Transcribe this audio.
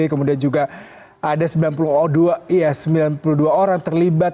kemudian juga ada sembilan puluh dua orang terlibat